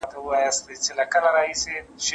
هغه څوک چي لوښي وچوي منظم وي.